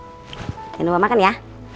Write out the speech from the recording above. jangan lupa makan ya